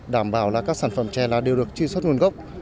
đảm bảo là các sản phẩm chè là đều được truy xuất nguồn gốc